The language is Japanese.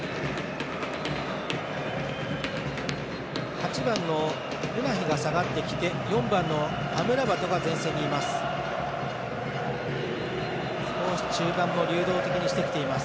８番のウナヒが下がってきて４番のアムラバトが前線にいます。